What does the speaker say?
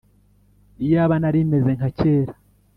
Iyaba narimeze nkacyera